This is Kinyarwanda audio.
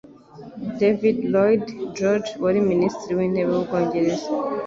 David Lloyd George wari Minisitiri w'Intebe w'u Bwongereza